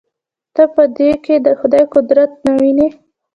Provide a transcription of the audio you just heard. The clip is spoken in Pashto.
ته په دې کښې د خداى قدرت نه وينې.